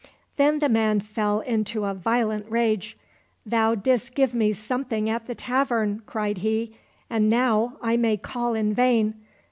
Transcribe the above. Then the man fell into a violent rage. '' Thou didst give me something at the tavern," cried he ;" and now I may call in vain.